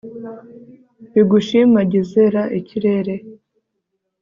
bigushimagize, +r, ikirere